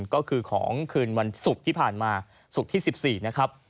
ก็คือของคืนวันศุกร์ที่ผ่านมาศุกร์ที่๑๔นะครับ